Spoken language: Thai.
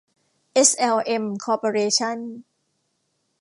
เอส แอล เอ็ม คอร์ปอเรชั่น